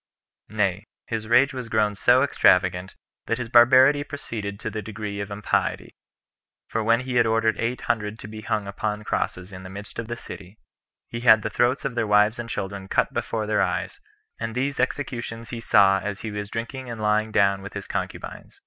Nay, his rage was grown so extravagant, that his barbarity proceeded to the degree of impiety; for when he had ordered eight hundred to be hung upon crosses in the midst of the city, he had the throats of their wives and children cut before their eyes; and these executions he saw as he was drinking and lying down with his concubines.